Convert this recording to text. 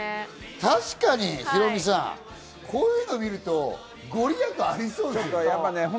確かにヒロミさん、こういうの見ると御利益ありそうですよね。